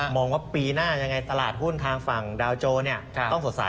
มองว่าปีหน้ายังไงตลาดหุ้นทางฝั่งดาวโจต้องสดใส